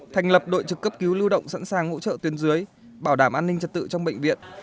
thành lập đội trực cấp cứu lưu động sẵn sàng hỗ trợ tuyên dưới bảo đảm an ninh trật tự trong bệnh viện